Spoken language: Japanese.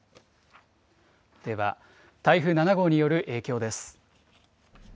では台風７号による影響です。